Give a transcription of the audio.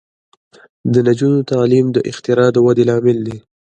د نجونو تعلیم د اختراع ودې لامل دی.